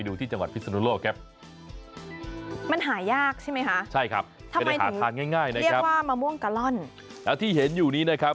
คุณพาผมไปต่อไปไม่ถูกเลยเนี่ยหะ